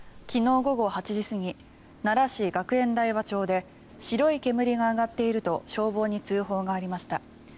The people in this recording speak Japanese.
昨日午後８時過ぎ奈良市学園大和町で白い煙が上がっていると消防に通報がありました。